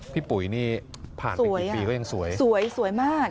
พี่ปุ๊ยนี่ผ่านกี่ปีน็สวยโอ้โฮสวยเหอะสวยสวยมาก